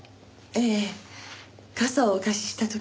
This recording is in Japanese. ええ傘をお貸しした時。